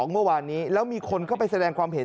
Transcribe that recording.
เมื่อวานนี้แล้วมีคนเข้าไปแสดงความเห็น